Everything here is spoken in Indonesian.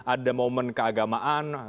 ada momen keagamaan